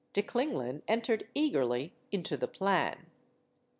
De Klinglin entered eagerly into the plan.